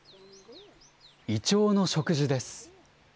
イチョウの植樹です。